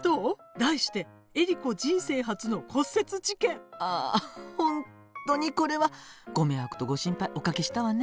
題して「エリコ人生初の骨折事件」。あ本当にこれはご迷惑とご心配おかけしたわね。